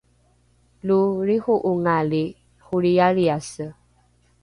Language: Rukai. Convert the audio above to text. lo lriho’ongali holrialriase